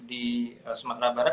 di sumatera barat